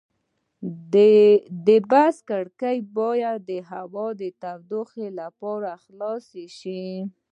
د بس کړکۍ باید د هوا د تودوخې لپاره خلاصې شي.